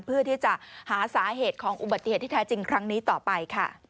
เพื่อที่จะหาสาเหตุของอุบัติเหตุที่แท้จริงครั้งนี้ต่อไปค่ะ